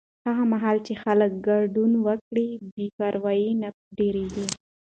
هغه مهال چې خلک ګډون وکړي، بې پروایي نه ډېرېږي.